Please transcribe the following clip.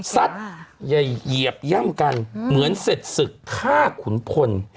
ซัดอย่าเหยียบย่ำกันเหมือนเสร็จศึกฆ่าขุนพล